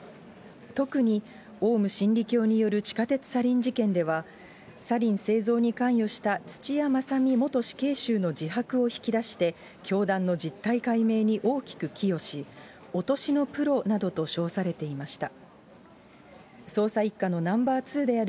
特にオウム真理教による地下鉄サリン事件では、サリン製造に関与した土屋正実元死刑囚の供述を引き出して、教団の実態解明に大きく寄与し、落としのプロなどと称されていました。